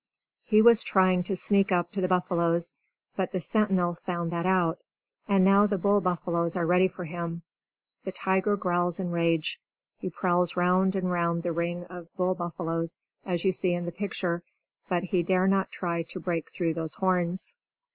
He was trying to sneak up to the buffaloes; but the sentinel found that out. And now the bull buffaloes are ready for him. The tiger growls in rage. He prowls round and round the ring of bull buffaloes, as you see in the picture. But he dare not try to break through those horns.